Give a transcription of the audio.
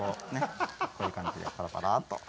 こういう感じで、パラパラっと。